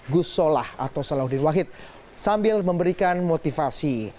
gus solah atau salahuddin wahid sambil memberikan motivasi